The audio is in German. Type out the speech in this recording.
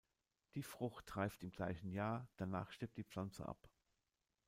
Die Frucht reift im gleichen Jahr, danach stirbt die Pflanze ab.